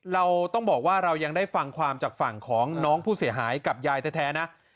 เราต้องบอกว่าเรายังได้ฟังความจากฝั่งของน้องผู้เสียหายกับยายแท้นะ